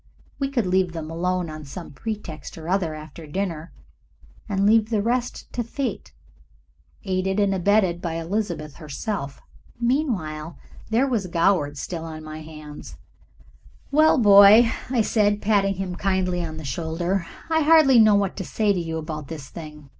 We could leave them alone on some pretext or other after dinner, and leave the rest to fate aided and abetted by Elizabeth herself. Meanwhile there was Goward still on my hands. "Well, my boy," I said, patting him kindly on the shoulder, "I hardly know what to say to you about this thing.